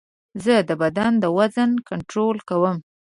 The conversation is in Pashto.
زه د بدن د وزن کنټرول کوم.